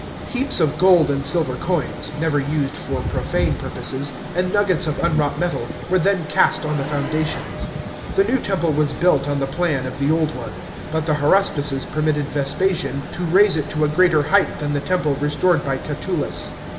Heaps of gold and silver coins, never used for profane purposes, and nuggets of unwrought metal, were then cast on the foundations. The new temple was built on the plan of the old one, but the haruspices permitted Vespasian to raise it to a greater height than the temple restored by Catulus.